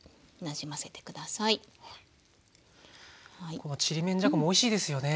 このちりめんじゃこもおいしいですよね。